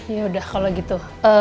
yaudah kalau gitu